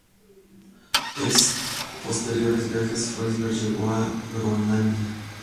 En posteriores viajes, Frobisher llegó a Groenlandia.